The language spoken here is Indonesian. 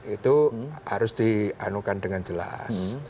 itu harus dianukan dengan jelas